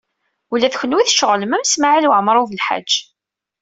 Ula d kenwi tceɣlem am Smawil Waɛmaṛ U Belḥaǧ.